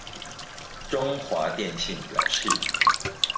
中華電信表示